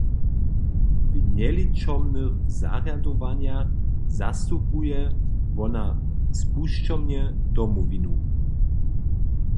W njeličomnych zarjadowanjach zastupuje wona spušćomnje Domowinu.